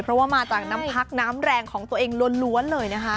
เพราะว่ามาจากน้ำพักน้ำแรงของตัวเองล้วนเลยนะคะ